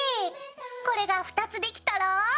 これが２つできたら。